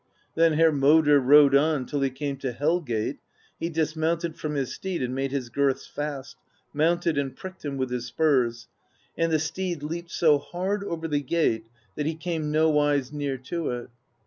"Then Hermodr rode on till he came to Hel gate; he dismounted from his steed and made his girths fast, mounted and pricked him with his spurs; and the steed leaped so hard over the gate that he came nowise near to it.